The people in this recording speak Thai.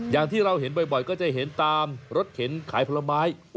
อย่างที่เราเห็นบ่อยก็จะเห็นตามรถเข็นขายผลไม้